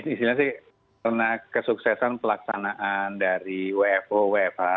isinya sih karena kesuksesan pelaksanaan dari wfo wfa